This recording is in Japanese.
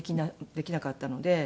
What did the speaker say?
できなかったので。